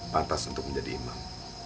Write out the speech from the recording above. pantas untuk menjadi imam